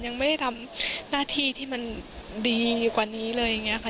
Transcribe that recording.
ยังไม่ได้ทำหน้าที่ที่มันดีกว่านี้เลยอย่างนี้ค่ะ